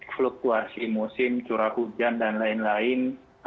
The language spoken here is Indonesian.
fluktuasi musim curah hujan dan lain lain